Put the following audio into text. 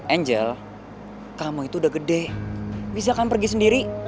angel kamu itu udah gede bisa kamu pergi sendiri